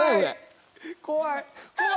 怖い。